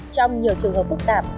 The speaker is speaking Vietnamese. trong nhiều trường hợp phức tạp